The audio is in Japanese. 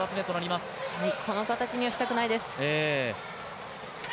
この形にはしたくないです。